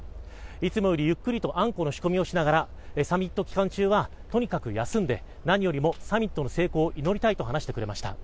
いつもよりゆっくりとあんこの仕込みをしながらサミット期間中はとにかく休んで何よりもサミットの成功を祈りたいと話してくれました